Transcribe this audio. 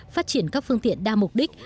phát triển các phương tiện đa mục đích